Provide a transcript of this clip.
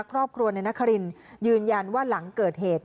ครอบครัวในนครินยืนยันว่าหลังเกิดเหตุ